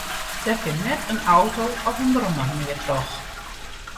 Der kin net in auto of in brommer mear troch.